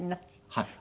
はい。